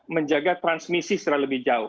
menjaga transmisi secara lebih jauh